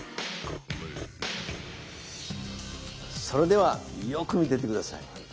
それではよく見ていて下さい。